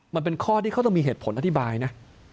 มันเป็นข้อที่เขาต้องมีเหตุผลอธิบายนะ